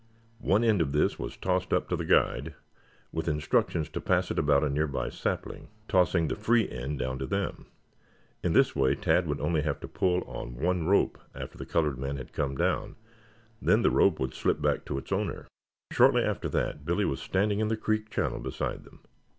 One end of this was tossed up to the guide with instructions to pass it about a nearby sapling, tossing the free end down to them. In this way Tad would only have to pull on one rope after the colored man had come down, then the rope would slip back to its owner. Shortly after that Billy was standing in the creek channel beside them.